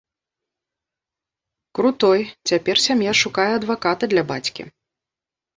Крутой, цяпер сям'я шукае адваката для бацькі.